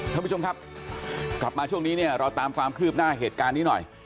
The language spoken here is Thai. ท่านผู้ชมครับกลับมาช่วงนี้เนี่ยเราตามความคืบหน้าเหตุการณ์นี้หน่อย